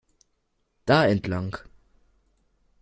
Da entlang!